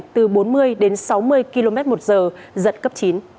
từ bốn mươi đến sáu mươi km một giờ giật cấp chín